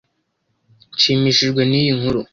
Nshimishijwe niyi nkuru.